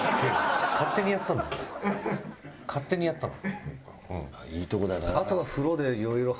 勝手にやったの。